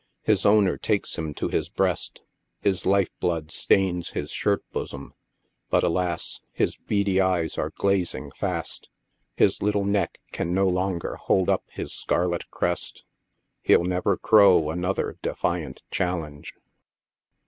His owner takes him to his breast ; bis life blood stains his shirt bosom ; but, alas ! his beady eyes are glazing fast, his little neck can no longer hold up his s carlet crest ; he'll never crow an other defiant challenge.